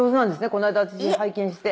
「この間私も拝見して」